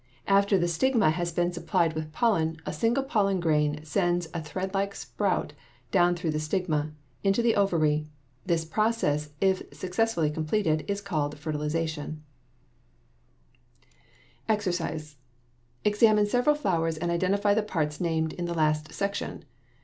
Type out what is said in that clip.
After the stigma has been supplied with pollen, a single pollen grain sends a threadlike sprout down through the stigma into the ovary. This process, if successfully completed, is called fertilization. =EXERCISE= Examine several flowers and identify the parts named in the last section.